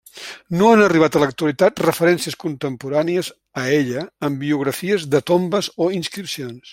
No han arribat a l'actualitat referències contemporànies a ella en biografies de tombes o inscripcions.